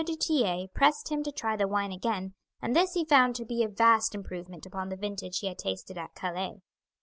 du Tillet pressed him to try the wine again, and this he found to be a vast improvement upon the vintage he had tasted at Calais.